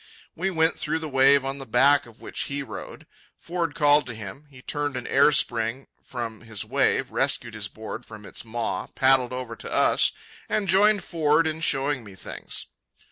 We went through the wave on the back of which he rode. Ford called to him. He turned an airspring from his wave, rescued his board from its maw, paddled over to us and joined Ford in showing me things.